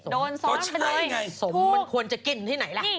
โดนซ้อมออกไปเลยถูกก็ใช่ไงซ้อมมันควรจะกินที่ไหนล่ะ